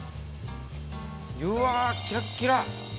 うわキラッキラ！